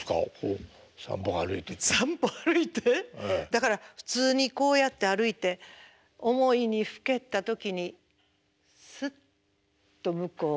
だから普通にこうやって歩いて思いにふけた時にスッと向こうの下手を見る。